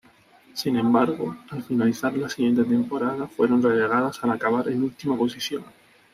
Sin embargo, al finalizar la siguiente temporada fueron relegados al acabar en última posición.